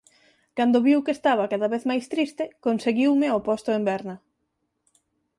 Cando viu que estaba cada vez máis triste, conseguiume o posto en Berna.